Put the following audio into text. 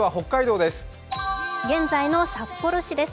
現在の札幌市です。